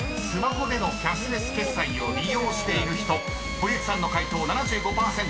［堀内さんの解答７５％。